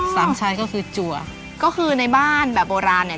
สามชั้นก็คือจัวก็คือในบ้านแบบโบราณเนี่ย